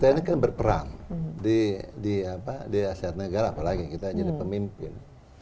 kita ini kan berperan di asia tenggara apalagi kita jadi pemimpin